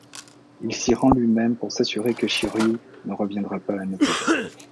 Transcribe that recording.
Il s’y rend lui-même pour s’assurer que Shiryû ne reviendra pas à nouveau.